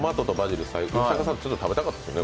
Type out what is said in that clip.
吉高さん、食べたかったですね。